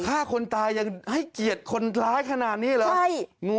ฆ่าคนตายยังให้เกียรติคนร้ายขนาดนี้เหรอใช่งู